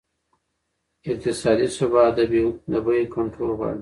اقتصادي ثبات د بیو کنټرول غواړي.